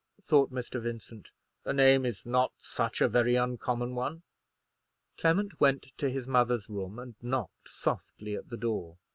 thought Mr. Vincent. "The name is not such a very uncommon one." Clement went to his mother's room and knocked softly at the door.